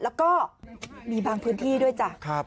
แล้วก็มีบางพื้นที่ด้วยจ้ะ